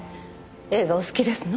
映画お好きですの？